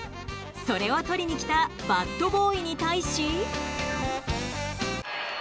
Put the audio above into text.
それを取りに来たバットボーイに対し。